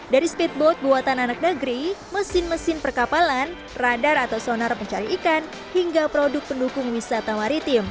dari speedboat buatan anak negeri mesin mesin perkapalan radar atau sonar pencari ikan hingga produk pendukung wisata maritim